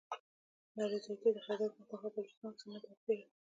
نا رضایتي د خیبر پښتونخواه، بلوچستان او سند نه بر سیره